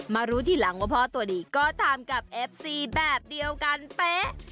รู้ทีหลังว่าพ่อตัวดีก็ทำกับเอฟซีแบบเดียวกันเป๊ะ